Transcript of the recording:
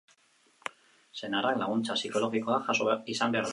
Senarrak laguntza psikologikoa jaso izan behar du.